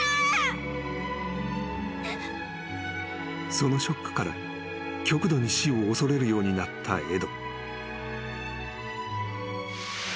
［そのショックから極度に死を恐れるようになったエド］